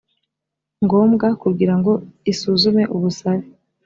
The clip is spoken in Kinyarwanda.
ngombwa kugira ngo isuzume ubusabe